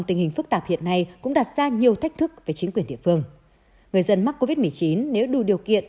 tình hình phức tạp hiện nay cũng đặt ra nhiều thách thức với chính quyền địa phương người dân mắc covid một mươi chín nếu đủ điều kiện